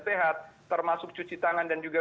sehat termasuk cuci tangan dan juga